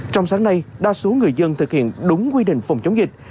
trong sáng nay đa số người dân thực hiện đúng quy định phòng chống dịch